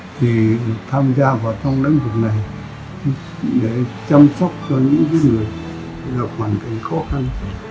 thì tham gia vào trong lĩnh vực này để chăm sóc cho những người gặp hoàn cảnh khó khăn